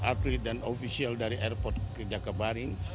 atlet dan ofisial dari airport ke jakabaring